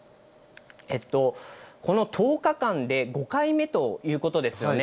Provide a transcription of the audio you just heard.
この１０日間で５回目ということですよね。